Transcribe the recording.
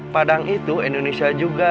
padang itu indonesia juga